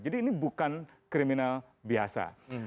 jadi ini bukan kriminal biasa